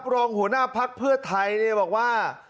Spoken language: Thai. รองหัวหน้าภักดิ์เพื่อไทยบอกว่า